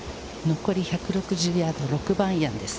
残り１６０ヤード６番アイアンです。